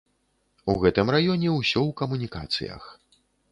У гэтым раёне ўсё ў камунікацыях.